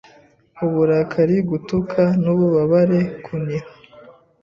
Uburakari gutaka n'ububabare kuniha